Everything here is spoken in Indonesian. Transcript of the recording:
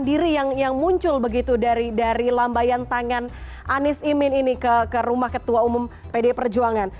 diri yang muncul begitu dari lambayan tangan anies imin ini ke rumah ketua umum pdi perjuangan